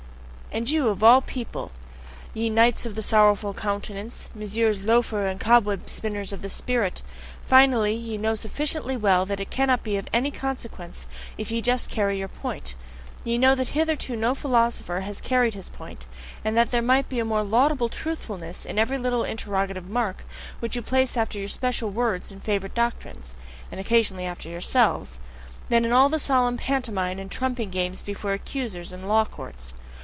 and you of all people, ye knights of the sorrowful countenance, Messrs Loafers and Cobweb spinners of the spirit! Finally, ye know sufficiently well that it cannot be of any consequence if YE just carry your point; ye know that hitherto no philosopher has carried his point, and that there might be a more laudable truthfulness in every little interrogative mark which you place after your special words and favourite doctrines (and occasionally after yourselves) than in all the solemn pantomime and trumping games before accusers and law courts!